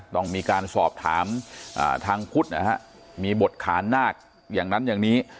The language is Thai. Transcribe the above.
ต้องมีการสอบถามทางพุทธนะฮะมีบทขานนาคอย่างนั้นอย่างนี้